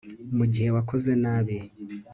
mugihe wakoze nabi